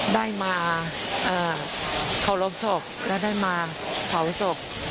ได้มาเคารพศพและได้มาเผาศพ